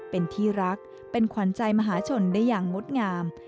เป็นที่รักเป็นขวัญใจมหาชนได้อย่างงดงาม